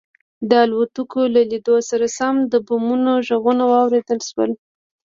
د الوتکو له لیدو سره سم د بمونو غږونه واورېدل شول